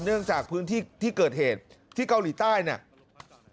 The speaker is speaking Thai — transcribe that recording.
เนื่องจากพื้นที่ที่เกิดเหตุที่เกาหลีใต้เนี่ย